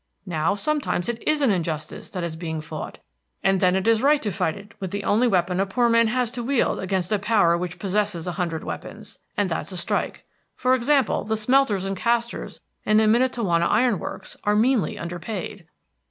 Now, sometimes it is an injustice that is being fought, and then it is right to fight it with the only weapon a poor man has to wield against a power which possesses a hundred weapons, and that's a strike. For example, the smelters and casters in the Miantowona Iron Works are meanly underpaid."